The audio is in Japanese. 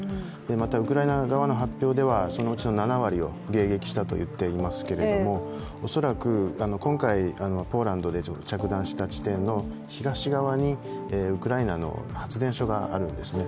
またウクライナ側の発表ではそのうちの７割を迎撃したと言っておりますけれども恐らく、今回ポーランドで着弾した地点の東側にウクライナの発電所があるんですね。